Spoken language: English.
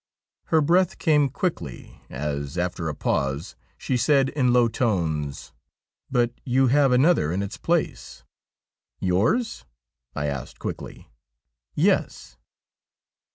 Her breath came quickly as, after a pause, she said in low tones :' But you have another in its place.' ' Yours ?' I asked quickly. 'Yes.'